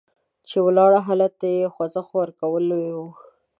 چې ولاړ حالت ته یې خوځښت ورکول وو.